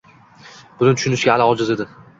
Buni tushunishga hali ojiz edi.